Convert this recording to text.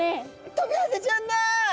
トビハゼちゃんだ！